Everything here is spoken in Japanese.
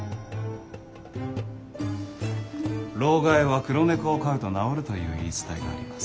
労咳は黒猫を飼うと治るという言い伝えがあります。